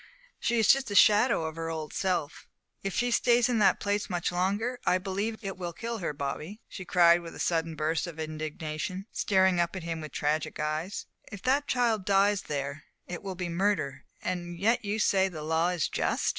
"She is just the shadow of her old self; if she stays in that place much longer, I believe it will kill her. Bobby," she cried, with a sudden burst of indignation, staring up at him with tragic eyes, "if that child dies there, it will be murder! And yet you say the law is just!"